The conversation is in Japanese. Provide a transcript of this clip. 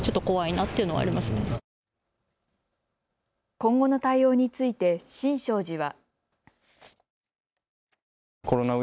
今後の対応について新勝寺は。